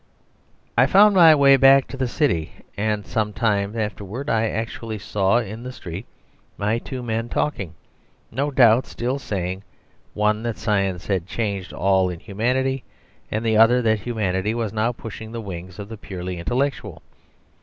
I found my way back to the city, and some time afterwards I actually saw in the street my two men talking, no doubt still saying, one that Science had changed all in Humanity, and the other that Humanity was now pushing the wings of the purely intellectual.